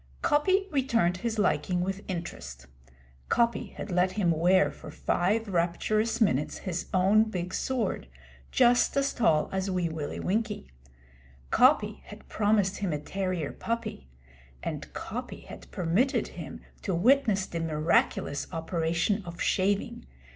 Coppy returned his liking with interest. Coppy had let him wear for five rapturous minutes his own big sword just as tall as Wee Willie Winkie. Coppy had promised him a terrier puppy; and Coppy had permitted him to witness the miraculous operation of shaving.